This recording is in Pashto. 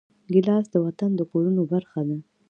ګیلاس د وطن د کورونو برخه ده.